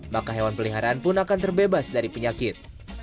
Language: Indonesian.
maka hewan peliharaan pun akan terbebas dari penyakit